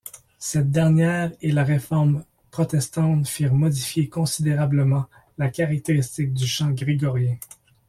Cette dernière et la réforme protestante firent modifier considérablement la caractéristique du chant grégorien.